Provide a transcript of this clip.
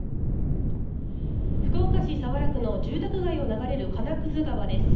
福岡市早良区の住宅街を流れる金屑川です。